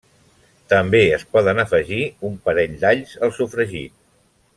També es poden afegir un parell d'alls al sofregit.